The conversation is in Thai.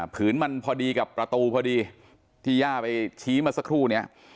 ผืนมันพอดีกับประตูพอดีที่ย่าไปชี้มาสักครู่นี้